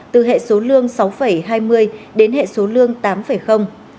từ hệ số lương sáu hai mươi đến hệ số lương tám